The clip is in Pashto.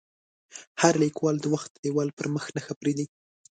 هر لیکوال د وخت د دیوال پر مخ نښه پرېږدي.